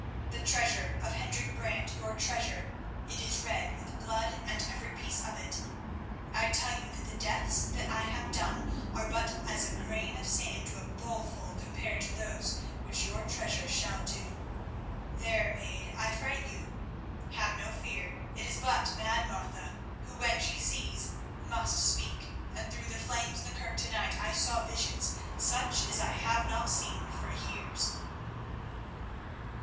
The treasure of Hendrik Brant, your treasure, it is red with blood, every piece of it. I tell you that the deaths that I have done are but as a grain of sand to a bowlful compared to those which your treasure shall do. There, maid, I fright you. Have no fear, it is but Mad Martha, who, when she sees, must speak, and through the flames in the kirk to night I saw visions such as I have not seen for years."